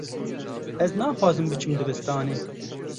Ez naxwazim biçim dibistanê.